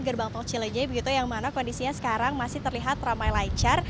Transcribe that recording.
di gerbang tau cilenyi yang mana kondisinya sekarang masih terlihat ramai lancar